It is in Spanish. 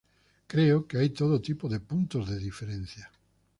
Creo que hay todo tipo de puntos de diferencia".